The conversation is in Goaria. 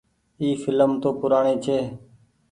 اي ڦلم تو پورآڻي ڇي۔